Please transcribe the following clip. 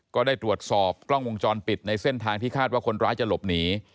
ก็ได้ตรวจสอบกล้องวงจรปิดในเส้นทางที่คาดว่าคนร้ายจะหลบหนี